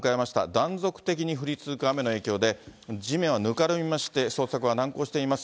断続的に降り続く雨の影響で、地面はぬかるみまして、捜索は難航しています。